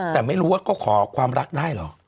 แต่ไม่รู้ว่าก็ขอความรักได้เหรอ